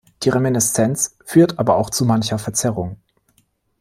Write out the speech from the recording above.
Die Reminiszenz führte aber auch zu mancher Verzerrung.